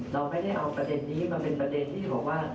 เราไม่ได้เอาประเด็นนี้มาเป็นประเด็นที่บอกว่า